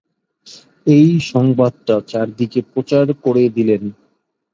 এই সংবাদটা চারদিকে প্রচার করে দিলেন।